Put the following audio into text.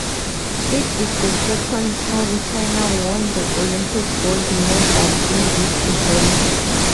It is the second time China won the Olympic gold medal in this event.